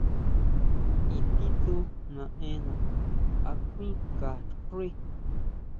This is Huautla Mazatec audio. ¿I titsú naʼenna a kuinʼka xuí.